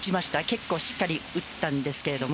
結構しっかり打ったんですが。